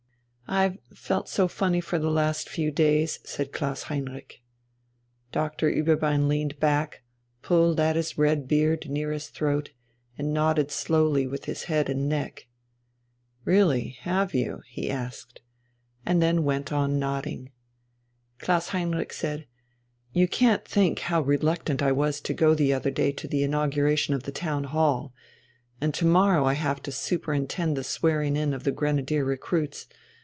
"I've felt so funny for the last few days," said Klaus Heinrich. Doctor Ueberbein leaned back, pulled at his red beard near his throat, and nodded slowly with his head and neck. "Really? Have you?" he asked. And then went on nodding. Klaus Heinrich said: "You can't think how reluctant I was to go the other day to the inauguration of the Town Hall. And to morrow I have to superintend the swearing in of the Grenadier recruits.